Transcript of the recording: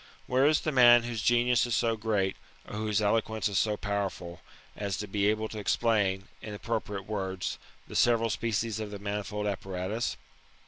Where is the man whose genius is so great or whose eloquence is so powerful, as to be able to explain, in appropriate words, the several species of the manifold appa ratus